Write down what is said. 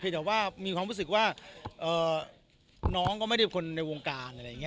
แต่ว่ามีความรู้สึกว่าน้องก็ไม่ได้เป็นคนในวงการ